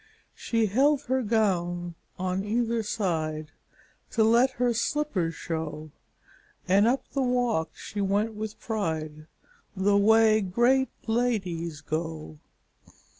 She held her gown on either side To let her slippers show, And up the walk she went with pride, The way great ladies go.